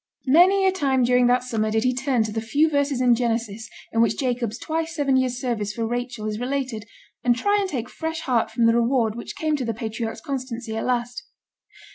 Many a time during that summer did he turn to the few verses in Genesis in which Jacob's twice seven years' service for Rachel is related, and try and take fresh heart from the reward which came to the patriarch's constancy at last.